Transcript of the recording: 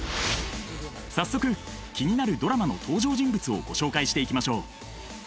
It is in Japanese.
早速気になるドラマの登場人物をご紹介していきましょう！